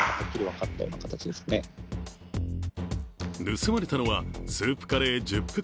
盗まれたのはスープカレー１０袋。